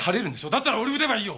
だったら俺を撃てばいいよ！